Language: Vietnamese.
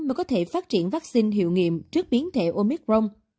mới có thể phát triển vaccine hiệu nghiệm trước biến thể omicron